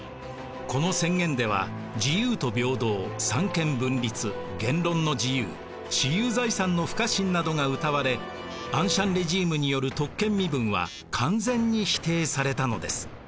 この宣言では自由と平等三権分立言論の自由私有財産の不可侵などがうたわれアンシャン・レジームによる特権身分は完全に否定されたのです。